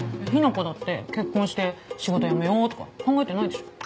雛子だって結婚して仕事辞めようとか考えてないでしょ？